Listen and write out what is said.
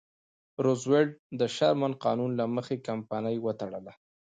روزولټ د شرمن قانون له مخې کمپنۍ وتړله.